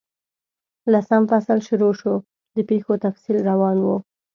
لسم فصل شروع شو، د پیښو تفصیل روان وو.